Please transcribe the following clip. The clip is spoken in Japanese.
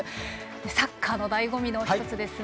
サッカーのだいご味の一つですね